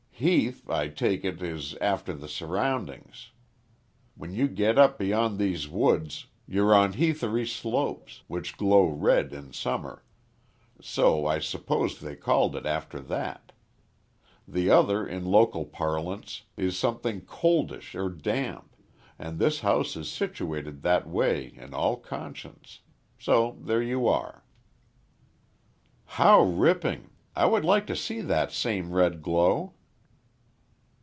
Heath I take it is after the surroundings. When you get up beyond these woods you're on heathery slopes, which glow red in summer, so I suppose they called it after that; the other in local parlance is something coldish or damp, and this house is situated that way in all conscience. So there you are." "How ripping, I would like to see that same red glow."